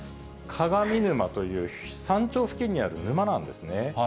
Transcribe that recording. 鏡沼という山頂付近にある沼なんですね。